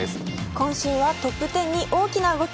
今週はトップ１０に大きな動き。